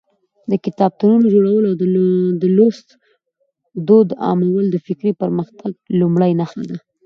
د کتابتونونو جوړول او د لوست دود عامول د فکري پرمختګ لومړۍ نښه ده.